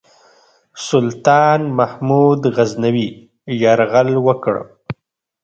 سلطان محمود غزنوي یرغل وکړ.